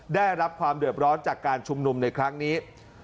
ได้รับความเดือดร้อนจากการชุมนุมในครั้งนี้